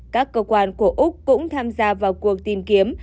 các cơ quan của úc cũng tham gia vào cuộc tìm kiếm